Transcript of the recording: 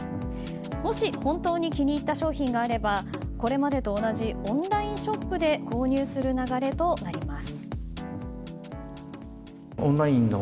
もし本当に気に入った商品があればこれまでと同じオンラインショップで購入する流れとなります。